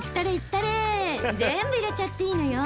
全部入れちゃっていいのよ。